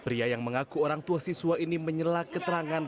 pria yang mengaku orang tua siswa ini menyelak keterangan